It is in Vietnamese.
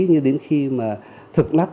nhưng đến khi mà thực nắp